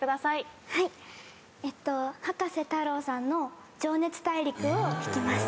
はい葉加瀬太郎さんの『情熱大陸』を弾きます。